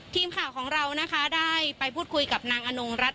ทีมข่าวของเรานะคะได้ไปพูดคุยกับนางอนงรัฐ